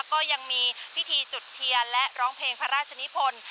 ก็ยังมีพิธีจุดเทียนและร้องเพลงพระราชนิพล